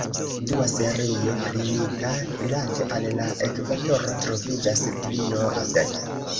Dua serio, klinita rilate al la ekvatoro, troviĝas pli norde.